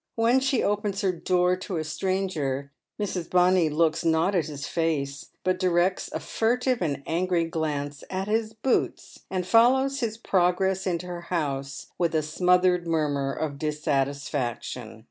When she opens her door to a sti anger, Mrs. Bonny looks not at his face, but directs a furtive and angry glance at his boots, and ibllows his progress into her house with a smothered murmur of dissatisfaction.